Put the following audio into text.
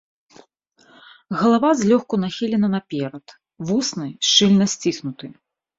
Галава злёгку нахілена наперад, вусны шчыльна сціснуты.